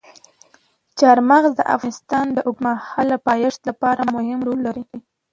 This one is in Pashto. چار مغز د افغانستان د اوږدمهاله پایښت لپاره مهم رول لري.